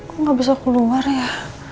kok nggak bisa keluar ya